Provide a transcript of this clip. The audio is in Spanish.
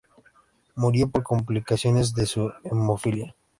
Murió por complicaciones de su hemofilia.